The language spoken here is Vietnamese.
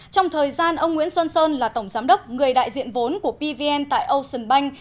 trong thời gian ông nguyễn xuân sơn là tổng giám đốc người đại diện vốn của pvn tại ocean bank